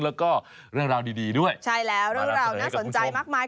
แล้วก็เรื่องราวดีดีด้วยใช่แล้วเรื่องราวน่าสนใจมากมาย